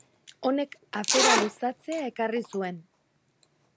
Honek afera luzatzea ekarri zuen.